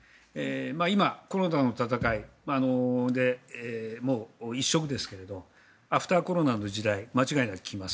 今、コロナとの闘いでもう一色ですがアフターコロナの時代は間違いなく来ます。